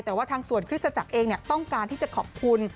แต่ว่าทางส่วนคริสตจักรเองต้องการที่จะขอบคุณ